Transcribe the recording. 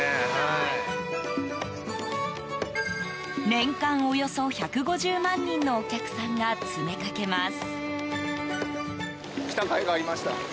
年間およそ１５０万人のお客さんが詰めかけます。